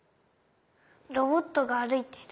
ロボットがあるいてる。